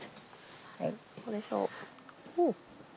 どうでしょうおっ。